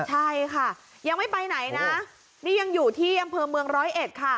ใช่ค่ะยังไม่ไปไหนนะนี่ยังอยู่ที่อำเภอเมืองร้อยเอ็ดค่ะ